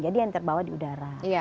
jadi yang terbawa di udara